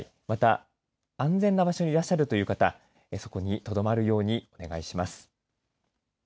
また、安全な場所にいらっしゃるという方そこにとどまるようにお願いします。